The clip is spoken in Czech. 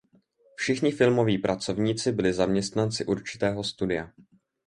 Všichni filmoví pracovníci byli zaměstnanci určitého studia.